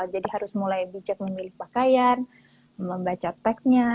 jadi harus mulai bijak memilih pakaian membaca tag nya